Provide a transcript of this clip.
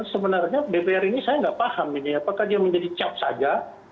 sebenarnya dpr ini saya nggak paham ini apakah dia menjadi cap saja